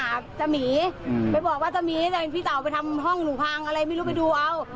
อะไรไม่รู้ไปดูเอา